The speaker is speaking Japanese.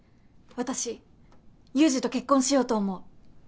私ユウジと結婚しようと思う。